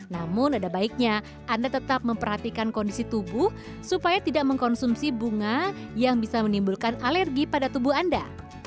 namun ada baiknya anda tetap memperhatikan kondisi tubuh supaya tidak mengkonsumsi bunga yang bisa menimbulkan alergi pada tubuh anda